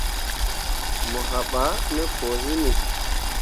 Mo haɓah ne põo himi.